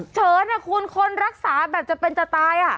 ห้องฉุกเฉินคุณค้นรักษาแบบจะเป็นจะตายอะ